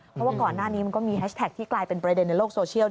เพราะว่าก่อนหน้านี้มันก็มีแฮชแท็กที่กลายเป็นประเด็นในโลกโซเชียล